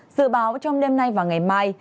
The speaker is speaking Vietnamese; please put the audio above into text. dự báo trong đêm nay và ngày mai